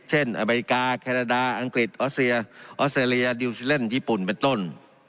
อเมริกาแคนาดาอังกฤษออสเซียออสเตรเลียดิวซิเล่นญี่ปุ่นเป็นต้น